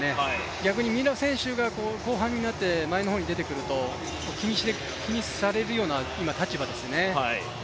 逆に三浦選手が後半になって前の方に出てくると気にされるような今、立場ですね。